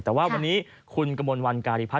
แต่ว่าวันนี้คุณกระมวลวันการิพั